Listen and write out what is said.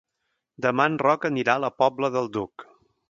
Demà en Roc anirà a la Pobla del Duc.